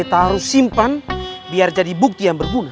kita harus simpan biar jadi bukti yang berguna